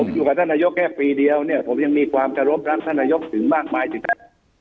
ผมอยู่กับท่านนายกแค่ปีเดียวเนี่ยผมยังมีความรับท่านนายกถึงมากมายสิทธิ์